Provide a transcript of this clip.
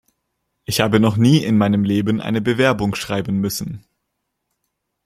Ich habe noch nie in meinem Leben eine Bewerbung schreiben müssen.